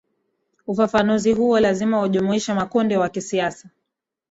ufafanuzi huo lazima ujumuishe makundi ya kisiasa